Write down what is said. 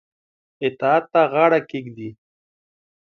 اطاعت ته غاړه کښيږدي.